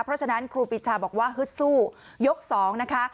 เพราะฉะนั้นครูปีชาบอกว่าฮึดสู้ยกสองนะคะ